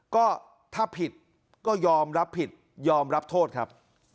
ก็ถ้าผิดก็ยอมรับผิดยอมรับโทษครับ